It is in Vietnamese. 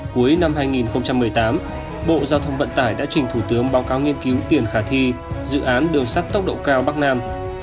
cuối năm hai nghìn một mươi tám bộ giao thông vận tải đã trình thủ tướng báo cáo nghiên cứu tiền khả thi dự án đường sắt tốc độ cao bắc nam